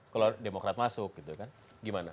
kalau demokrat masuk gitu kan gimana